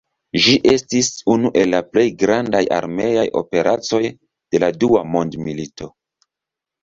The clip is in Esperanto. Ĝi estis unu el la plej grandaj armeaj operacoj de la dua mondmilito.